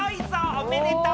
おめでとう！